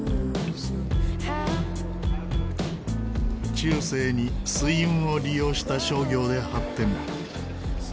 中世に水運を利用した商業で発展。